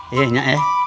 iya gak ya